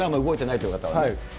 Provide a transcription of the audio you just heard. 動いていないという方は。